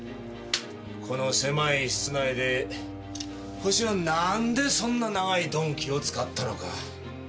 この狭い室内でホシはなんでそんな長い鈍器を使ったのか。